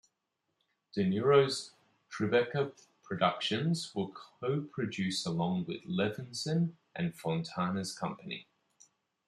De Niro's Tribeca Productions will co-produce along with Levinson and Fontana's company.